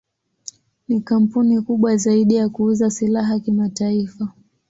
Ni kampuni kubwa zaidi ya kuuza silaha kimataifa.